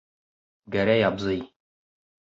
Гәрәй абзый!